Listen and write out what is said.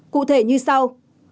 cụ thể như sau